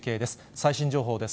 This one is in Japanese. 最新情報です。